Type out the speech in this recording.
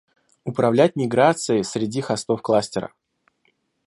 Управлять миграцией среди хостов кластера